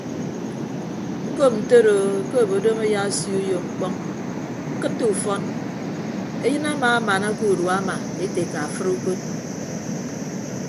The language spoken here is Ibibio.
Ñkop ntoroo ke obodom ayaasio uyo mkpọñ ñkịtte ufọn eyịn amaamana ke udua ama ete eka fʌd ukod.